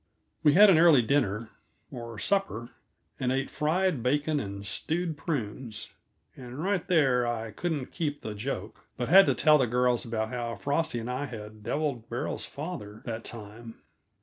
We had an early dinner or supper and ate fried bacon and stewed prunes and right there I couldn't keep the joke, but had to tell the girls about how Frosty and I had deviled Beryl's father, that time.